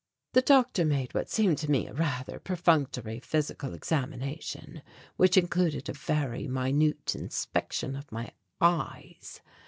The doctor made what seemed to me a rather perfunctory physical examination, which included a very minute inspection of my eyes.